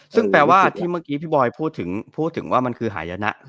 ซึ่งแปลว่าที่เมื่อกี้พี่บอยพูดถึงว่ามันคือหายนะ